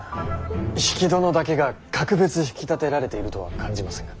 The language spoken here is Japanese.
比企殿だけが格別引き立てられているとは感じませんが。